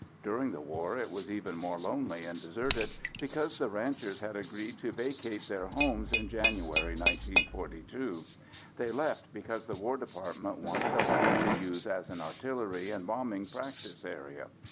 During the war it was even more lonely and deserted because the ranchers had agreed to vacate their homes in January 1942. They left because the War Department wanted the land to use as an artillery and bombing practice area.